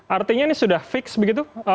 artinya ini sudah fix begitu